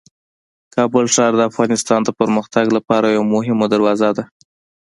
کابل ښار د افغانستان د پرمختګ لپاره یوه مهمه دروازه ده.